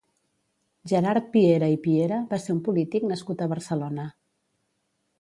Gerard Piera i Piera va ser un polític nascut a Barcelona.